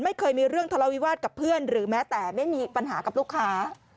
ไม่เคยมีเรื่องทะเลาวิวาสกับเพื่อนหรือแม้แต่ไม่มีปัญหากับลูกค้า